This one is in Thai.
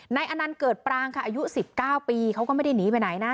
อนันต์เกิดปรางค่ะอายุ๑๙ปีเขาก็ไม่ได้หนีไปไหนนะ